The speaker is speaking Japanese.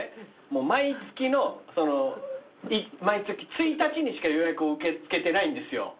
もう毎月の毎月１日にしか予約を受け付けてないんですよ。